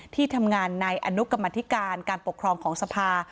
ที่ทำงานในอนุกรรมธิการการปกครองของสภา